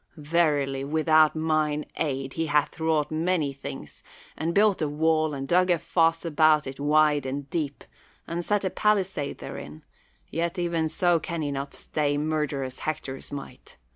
Verily without mine aid he hath wrought many things, and built a wall and dug a foss about it wide and deep, and set a palisade therein; yet even so can he not stay murderous Hector's might.